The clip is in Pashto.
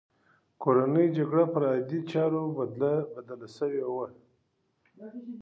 کورنۍ جګړه پر عادي چاره بدله شوې وه